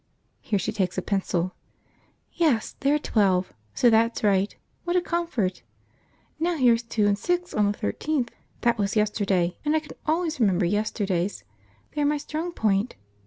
(Here she takes a pencil.) Yes, they are twelve, so that's right; what a comfort! Now here's two and six on the 13th. That was yesterday, and I can always remember yesterdays; they are my strong point.